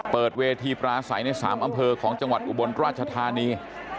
เปิดเวทีปราศัยใน๓อำเภอของจังหวัดอุบลราชธานี